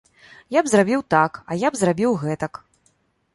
Я б зрабіў так, а я б зрабіў гэтак.